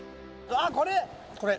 あっこれ！